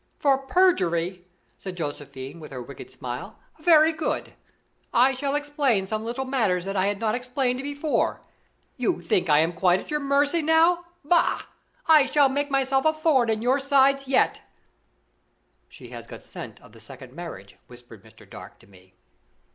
"For perjury?" said Josephine, with her wicked smile. "Very good. I shall explain some little matters that I have not explained before. You think I am quite at your mercy now? Bah! I shall make myself a thorn in your sides yet." "She has got scent of the second marriage," whispered Mr. Dark to me.